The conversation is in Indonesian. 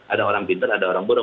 ada orang pinter ada orang burung